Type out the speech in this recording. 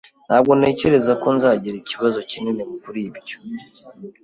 Ntabwo ntekereza ko nzagira ikibazo kinini kuri ibyo